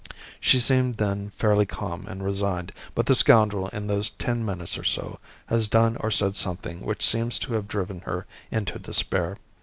She seemed then fairly calm and resigned, but the scoundrel in those ten minutes or so has done or said something which seems to have driven her into despair.